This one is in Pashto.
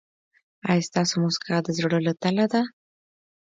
ایا ستاسو مسکا د زړه له تله ده؟